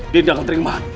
dia tidak akan terima